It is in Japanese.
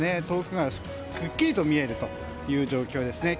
遠くがくっきりと見える状況です。